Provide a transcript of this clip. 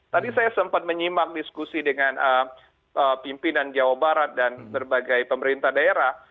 tadi saya sempat menyimak diskusi dengan pimpinan jawa barat dan berbagai pemerintah daerah